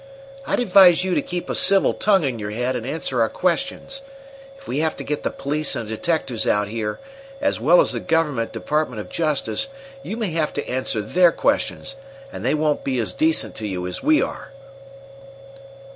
I'd advise you to keep a civil tongue in your head and answer our questions. If we have to get the police and detectives out here, as well as the governmental department of justice, you may have to answer their questions, and they won't be as decent to you as we are!"